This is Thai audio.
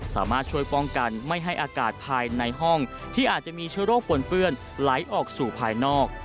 สามารถช่วยป้องกันไม่ให้อากาศภายในห้องที่อาจจะมีเชื้อโรคปนเปื้อนไหลออกสู่ภายนอก